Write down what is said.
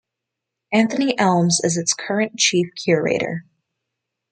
Anthony Elms is its current Chief Curator.